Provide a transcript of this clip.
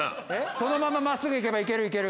そのまま真っすぐ行けばいけるいける。